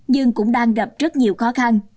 nhưng cũng đang gặp rất nhiều khó khăn